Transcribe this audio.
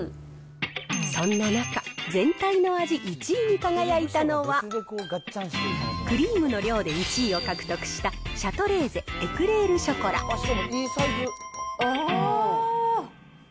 そんな中、全体の味１位に輝いたのは、クリームの量で１位を獲得したシャトレーゼ、エクレール・ショコあー！